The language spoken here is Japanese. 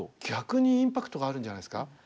逆にインパクトがあるんじゃないですか。